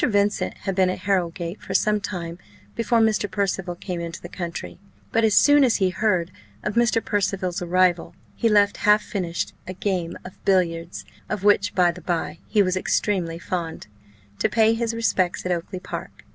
Vincent had been at Harrowgate for some time before Mr. Percival came into the country; but as soon as he heard of Mr. Percival's arrival, he left half finished a game of billiards, of which, by the bye, he was extremely fond, to pay his respects at Oakly park.